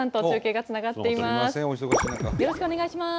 よろしくお願いします。